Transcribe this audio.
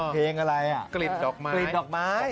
เพลงอะไรอ่ะกลิ่นดอกไม้